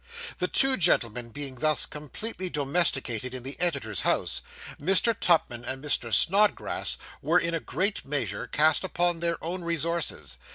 The two gentlemen being thus completely domesticated in the editor's house, Mr. Tupman and Mr. Snodgrass were in a great measure cast upon their own resources.